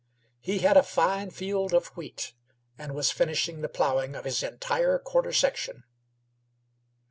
He had a fine field of wheat, and was finishing the ploughing of his entire quarter section.